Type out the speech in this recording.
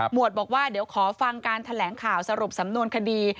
วดบอกว่าเดี๋ยวขอฟังการแถลงข่าวสรุปสำนวนคดี